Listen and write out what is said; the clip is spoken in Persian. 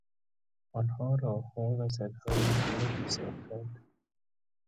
آنها راهها و سدهای زیادی ساختند.